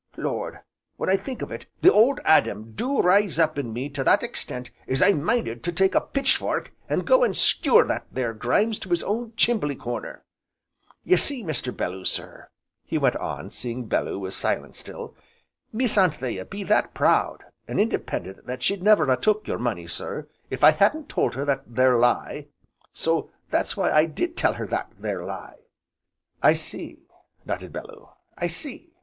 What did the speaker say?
Lord! when I think of it the 'Old Adam' do rise up in me to that extent as I'm minded to take a pitch fork and go and skewer that there Grimes to his own chimbley corner. Ye see Mr. Belloo sir," he went on, seeing Bellew was silent still, "Miss Anthea be that proud, an' independent that she'd never ha' took your money, sir, if I hadn't told her that there lie, so that's why I did tell her that here lie." "I see," nodded Bellew, "I see!